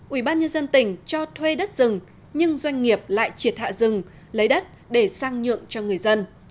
ubnd tỉnh cho thuê đất rừng nhưng doanh nghiệp lại triệt hạ rừng lấy đất để sang nhượng cho người dân